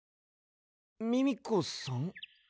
ミミコさん？